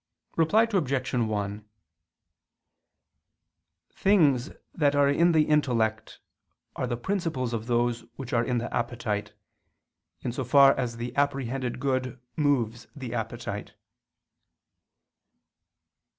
Reply Obj. 1: Things that are in the intellect are the principles of those which are in the appetite, in so far as the apprehended good moves the appetite.